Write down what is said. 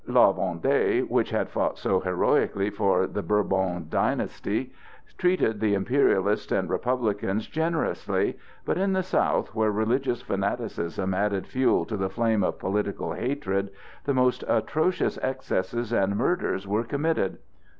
La Vendée, which had fought so heroically for the Bourbon dynasty, treated the Imperialists and Republicans generously; but in the South, where religious fanaticism added fuel to the flame of political hatred, the most atrocious excesses and murders were committed.